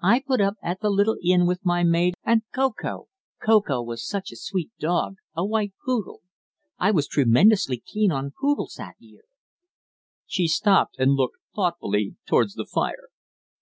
I put up at the little inn with my maid and Ko Ko Ko Ko was such a sweet dog a white poodle. I was tremendously keen on poodles that year." She stopped and looked thoughtfully towards the fire.